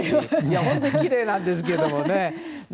本当にきれいなんですけれどもね。